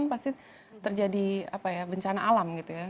pasti terjadi bencana alam gitu ya